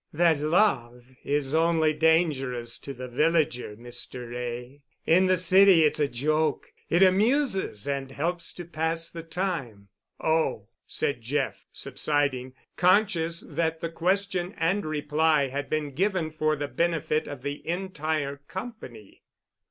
"That love is only dangerous to the villager, Mr. Wray. In the city it's a joke—it amuses and helps to pass the time." "Oh!" said Jeff, subsiding, conscious, that the question and reply had been given for the benefit of the entire company.